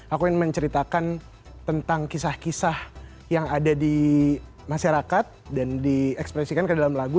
aku ingin menceritakan tentang kisah kisah yang ada di masyarakat dan diekspresikan ke dalam lagu